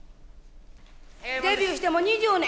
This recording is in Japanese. デビューしてもう２０年。